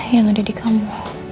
yang ada di kamu